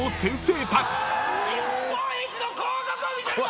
先生。